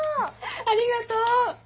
ありがとう！